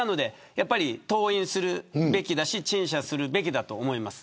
登院するべきだし陳謝するべきだと思います。